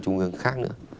trung ương khác nữa